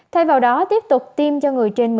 thay vào đó tiếp tục tiêm cho người trên một mươi tám tuổi